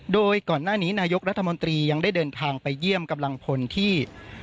โดยก่อนหน้านี้นายกรัฐมนตรียังได้เดินทางไปเยี่ยมกำลังพลที่